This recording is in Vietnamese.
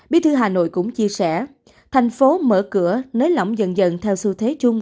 bí thư hà nội cũng chia sẻ thành phố mở cửa nới lỏng dần dần theo xu thế chung